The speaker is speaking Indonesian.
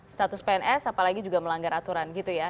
status pns apalagi juga melanggar aturan gitu ya